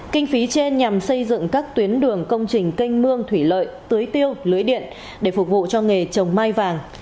kinh phí trên nhằm xây dựng các tuyến đường công trình canh mương thủy lợi tưới tiêu lưới điện để phục vụ cho nghề trồng mai vàng